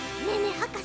はかせ